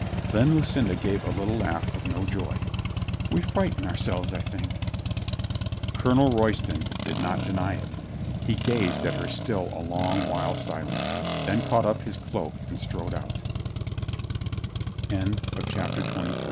Then Lucinda gave a little laugh of no joy. "We frighten ourselves, I think." Colonel Royston did not deny it He gazed at her still a long while silent, then caught up his cloak and strode out CH